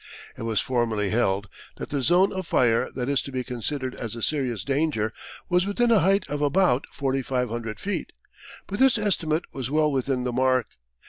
It was formerly held that the zone of fire that is to be considered as a serious danger was within a height of about 4,500 feet. But this estimate was well within the mark.